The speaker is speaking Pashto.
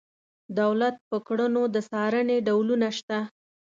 دولت په کړنو د څارنې ډولونه شته.